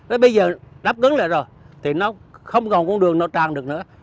thế bây giờ nó cứng lại rồi thì nó không còn con đường nó tràn được nữa